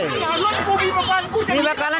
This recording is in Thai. กลุ่มมันหล่นเพิ่งไปที่นี่มากว่าไม่ได้